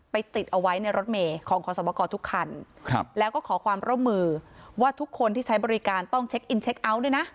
ติดเอาไว้ในรถเมย์ของขอสมกรทุกคันครับแล้วก็ขอความร่วมมือว่าทุกคนที่ใช้บริการต้องเช็คอินเช็คเอาท์ด้วยนะ